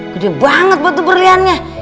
gede banget batu berliannya